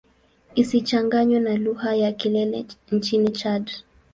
Isichanganywe na lugha ya Kilele nchini Chad.